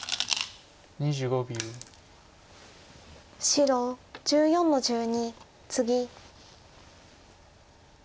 白１４の十二ツギ。